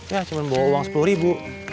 ya cuma bawa uang sepuluh ribu